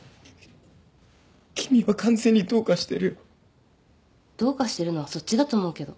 君は完全にどうかしてるよ。どうかしてるのはそっちだと思うけど。